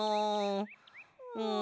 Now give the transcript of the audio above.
うん。